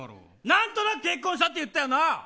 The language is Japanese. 何となく結婚したって言ったよな。